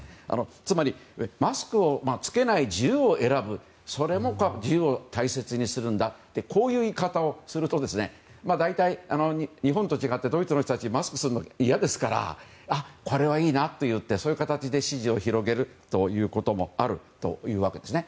つまりマスクを着けない自由を選ぶそれも自由を大切にするんだという言い方をすると大体、日本と違ってドイツの人たちはマスクするの嫌ですからこれはいいなといってそういう形で支持を広げるということもあるわけです。